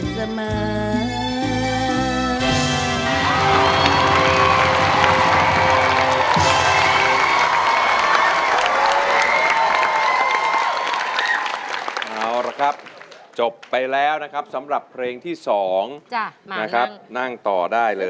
สยามใจบุญ